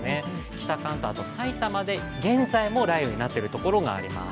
北関東、埼玉で現在も雷雨になっているところがあります。